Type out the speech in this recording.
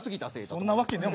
そんなわけねえ！